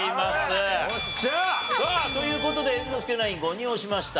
さあという事で猿之助ナイン５人押しました。